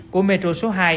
của metro số hai